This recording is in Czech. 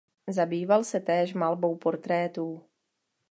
Zabýval se též malbou portrétů.